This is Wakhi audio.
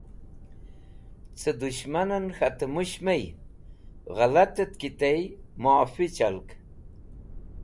Cẽ dũshmanẽn k̃hatẽ mũsh my g̃hẽlatẽt ki tey mẽofi chalg